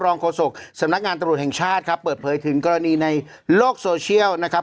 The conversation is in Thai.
โฆษกสำนักงานตำรวจแห่งชาติครับเปิดเผยถึงกรณีในโลกโซเชียลนะครับ